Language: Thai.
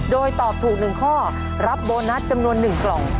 โดยตอบถูก๑ข้อรับโบนัสจำนวน๑กล่อง